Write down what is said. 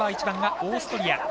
１番がオーストリア。